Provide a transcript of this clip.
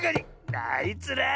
あいつら。